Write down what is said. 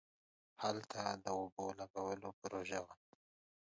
هلته د اوبو لگولو پروژه وه.